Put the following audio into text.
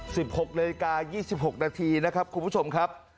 ๑๖นาฬิกา๒๖นาทีนะครับคุณผู้ชมครับ